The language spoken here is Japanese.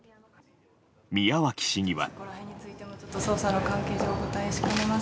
宮脇市議は。